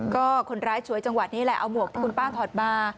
ก็คนร้ายฉวยจังหวะนี้แหละเอาหมวกที่คุณป้าถอดมา